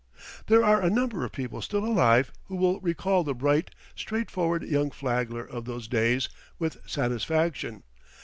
There are a number of people still alive who will recall the bright, straightforward young Flagler of those days with satisfaction.